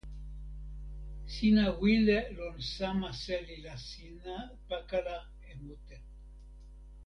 sina wile lon sama seli la sina pakala e mute.